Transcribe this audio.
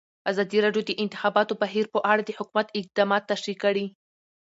ازادي راډیو د د انتخاباتو بهیر په اړه د حکومت اقدامات تشریح کړي.